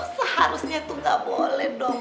seharusnya itu gak boleh dong